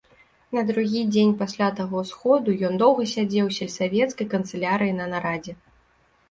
На другі дзень пасля таго сходу ён доўга сядзеў у сельсавецкай канцылярыі на нарадзе.